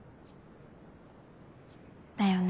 だよね。